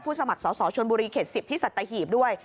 สมัครสอสอชนบุรีเขต๑๐ที่สัตหีบด้วย